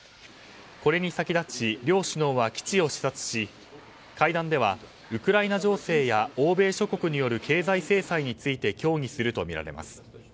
これに先立ち、両首脳は基地を視察し、会談ではウクライナ情勢や欧米諸国による経済制裁について協議するとみられます。